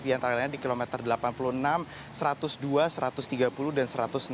di antara lain di kilometer delapan puluh enam satu ratus dua satu ratus tiga puluh dan satu ratus enam puluh